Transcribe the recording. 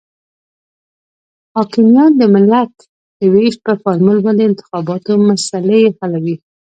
حاکمیان د ملت د وېش پر فارمول باندې د انتخاباتو مسلې حلوي.